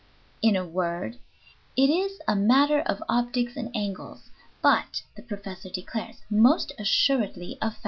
In a word, it is a matter of optics and angles, but, the professor declares, most assuredly a fact.